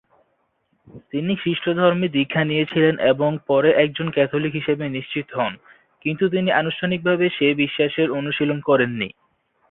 তিনি খ্রিস্ট ধর্মে দীক্ষা নিয়েছিলেন এবং পরে একজন ক্যাথলিক হিসাবে নিশ্চিত হন, কিন্তু তিনি আনুষ্ঠানিকভাবে সে বিশ্বাসের অনুশীলন করেননি।